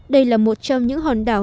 đây là một trong những hòn đảo